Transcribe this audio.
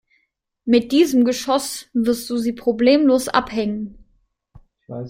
Mit diesem Geschoss wirst du sie problemlos abhängen.